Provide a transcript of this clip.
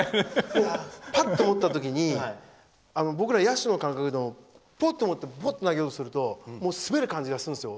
パッと持った時に僕ら野手の感覚でボールをとって投げようとすると滑る感じがするんですよ。